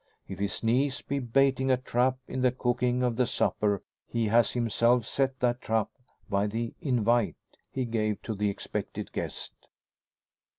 If his niece be baiting a trap in the cooking of the supper, he has himself set that trap by the "invite" he gave to the expected guest.